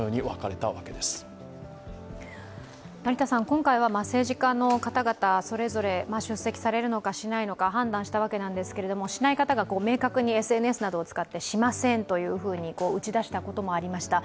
今回は政治家の方々、それぞれ出席されるのかされないのか判断されたわけですけれどもしない方が明確にＳＮＳなどを使ってしませんというふうに打ち出したこともありました。